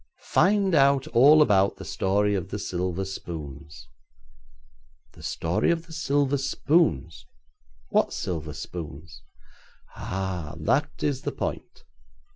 Find out all about the story of the silver spoons.' 'The story of the silver spoons! What silver spoons?' 'Ah! That is the point.